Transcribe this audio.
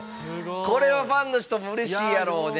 これは、ファンの人もうれしいやろうね。